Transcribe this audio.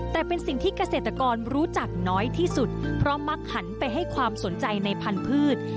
แต่เป็นสิ่งที่เกษตรกรรู้จักน้อยที่สุดเพราะมักหันไปให้ความสนใจในพันธุ์พืช